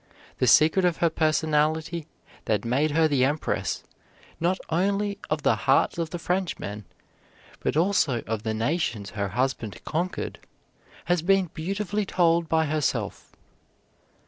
The secret of her personality that made her the Empress not only of the hearts of the Frenchmen, but also of the nations her husband conquered, has been beautifully told by herself.